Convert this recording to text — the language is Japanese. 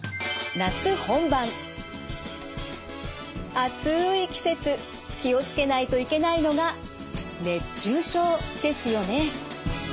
暑い季節気を付けないといけないのが熱中症ですよね。